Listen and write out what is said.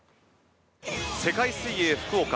世界水泳福岡